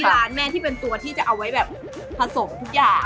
ร้านแม่ที่เป็นตัวที่จะเอาไว้แบบผสมทุกอย่าง